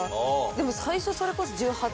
でも最初それこそ１８。